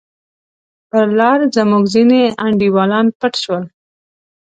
پر لار زموږ ځیني انډیوالان پټ شول.